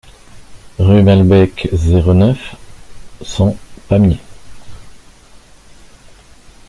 Rue Malbec, zéro neuf, cent Pamiers